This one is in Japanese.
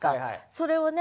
それをね